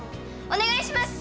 お願いします！